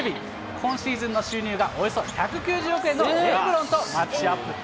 今シーズンの収入がおよそ１９０億円のレブロンとマッチアップ。